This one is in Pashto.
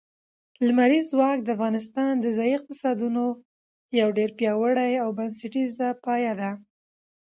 لمریز ځواک د افغانستان د ځایي اقتصادونو یو ډېر پیاوړی او بنسټیز پایایه دی.